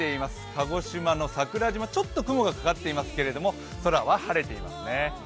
鹿児島の桜島、ちょっと雲がかかっていますけれども、空は晴れていますね。